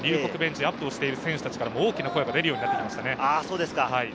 アップをしている選手からも大きな声が出るようになってきました。